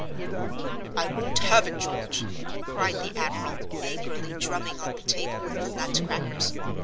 "I won't have it, George!" cried the admiral, angrily drumming on the table with the nutcrackers.